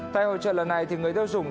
tại hội trợ lần này thì người tiêu dùng